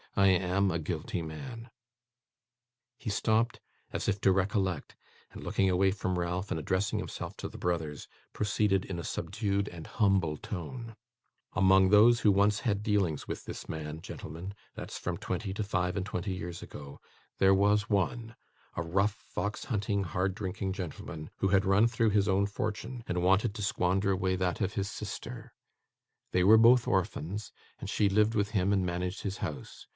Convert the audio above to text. I am a guilty man.' He stopped, as if to recollect, and looking away from Ralph, and addressing himself to the brothers, proceeded in a subdued and humble tone: 'Among those who once had dealings with this man, gentlemen that's from twenty to five and twenty years ago there was one: a rough fox hunting, hard drinking gentleman, who had run through his own fortune, and wanted to squander away that of his sister: they were both orphans, and she lived with him and managed his house.